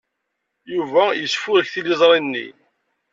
Yuba yesfurek tiliẓri-nni.